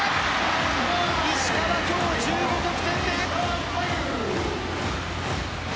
石川、今日１５得点目。